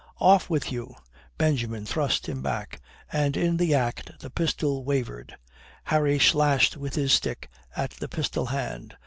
"Off with you," Benjamin thrust him back, and in the act the pistol wavered. Harry slashed with his stick at the pistol hand.